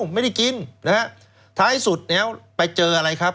ไม่ได้กินนะฮะท้ายสุดเนี่ยไปเจออะไรครับ